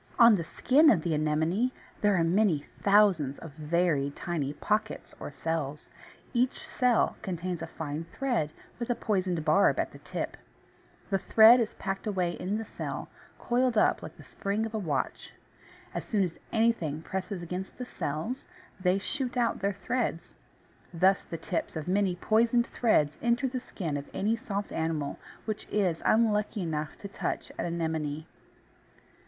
On the skin of the Anemone there are many thousands of very tiny pockets, or cells. Each cell contains a fine thread with a poisoned barb at the tip, The thread is packed away in the cell, coiled up like the spring of a watch. As soon as anything presses against the cells they shoot out their threads. Thus the tips of many poisoned threads enter the skin of any soft animal which is unlucky enough to touch an Anemone.